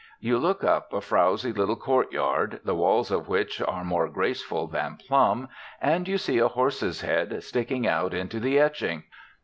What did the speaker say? You look up a frowsy little courtyard, the walls of which are more graceful than plumb, and you see a horse's head sticking out into the etching.